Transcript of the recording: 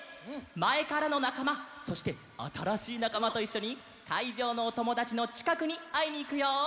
まえからのなかまそしてあたらしいなかまといっしょにかいじょうのおともだちのちかくにあいにいくよ！